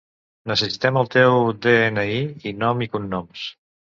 Necessitem el teu de-ena-i i nom i cognoms.